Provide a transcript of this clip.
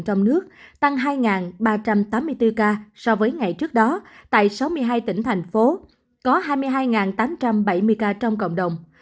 trong nước tăng hai ba trăm tám mươi bốn ca so với ngày trước đó tại sáu mươi hai tỉnh thành phố có hai mươi hai tám trăm bảy mươi ca trong cộng đồng